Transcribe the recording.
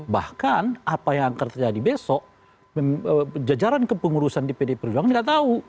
bahkan apa yang akan terjadi besok jajaran kepengurusan di pd perjuangan tidak tahu